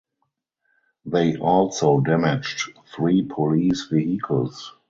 They also damaged three police vehicles.